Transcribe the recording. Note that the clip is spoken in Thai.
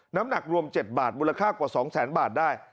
น้ำหนักรวม๗บาทมูลค่ากว่า๒แสนบาทได้